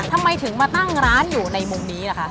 ทำไมถึงมาตั้งร้านอยู่ในมุมนี้ล่ะคะ